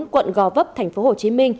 quận gò vấp tp hcm